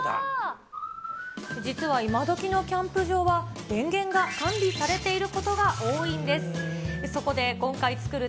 実はイマドキのキャンプ場は、電源が完備されていることが多いんです。